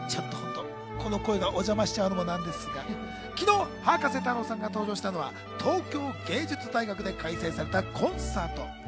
この声がお邪魔しちゃうのもなんですが昨日、葉加瀬太郎さんが登場したのは東京藝術大学で開催されたコンサート。